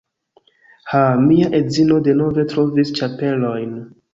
Ha, mia edzino denove trovis ĉapelojn